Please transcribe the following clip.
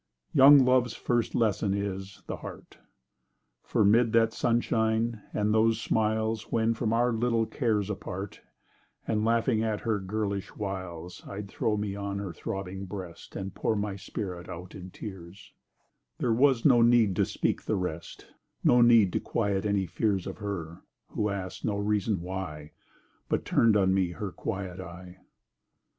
Young Love's first lesson is—the heart: For 'mid that sunshine, and those smiles, When, from our little cares apart, And laughing at her girlish wiles, I'd throw me on her throbbing breast, And pour my spirit out in tears— There was no need to speak the rest— No need to quiet any fears Of her—who ask'd no reason why, But turn'd on me her quiet eye!